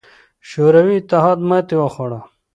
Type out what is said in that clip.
شوروي اتحاد ماتې وخوړه.